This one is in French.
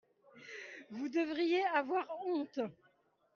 vous devriez avoir honte.